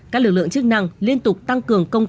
các lực lượng chức năng liên tục tăng cường công